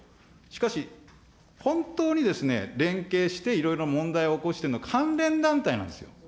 しかし、本当にですね、連携していろいろ問題を起こしているのは関連団体なんですよ。